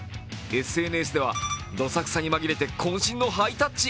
ＳＮＳでは、どさくさにまぎれてこん身のハイタッチ。